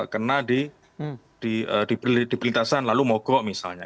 kena di perlintasan lalu mogok misalnya